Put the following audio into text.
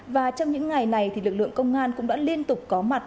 và trong những ngày này thì lực lượng công an cũng đã liên tục có mặt